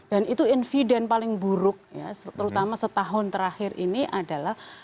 dan itu inviden paling buruk ya terutama setahun terakhir ini adalah